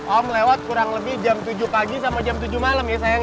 om lewat kurang lebih jam tujuh pagi sampai jam tujuh malam ya